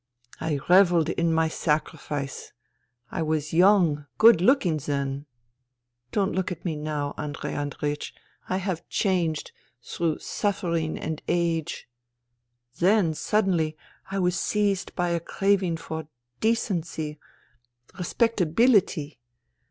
I revelled in my sacrifice. I was young, good looking then. Don't look at me now, Andrei Andreiech. I have changed through suffering and age. Then, suddenly, I was seized by a craving for decency, respectability.